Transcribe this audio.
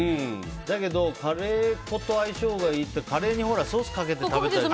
だけどカレー粉と相性がいいってカレーにソースかけて食べたり。